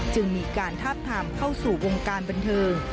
จึงมีการทาบทามเข้าสู่วงการบันเทิง